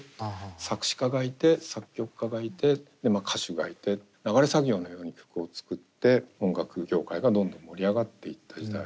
作詞家がいて作曲家がいて歌手がいて流れ作業のように曲を作って音楽業界がどんどん盛り上がっていった時代。